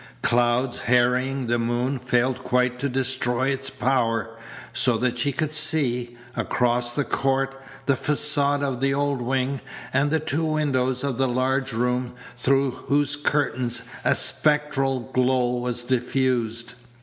Clouds harrying the moon failed quite to destroy its power, so that she could see, across the court, the facade of the old wing and the two windows of the large room through whose curtains a spectral glow was diffused.